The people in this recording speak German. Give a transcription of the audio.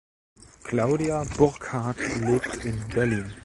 Claudia Burckhardt lebt in Berlin.